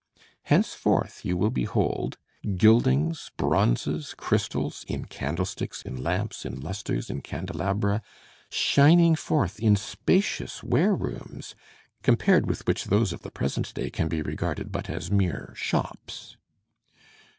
_ Henceforth you will behold gildings, bronzes, crystals, in candlesticks, in lamps, in lustres, in candelabra, shining forth in spacious warerooms, compared with which those of the present day can be regarded but as mere shops.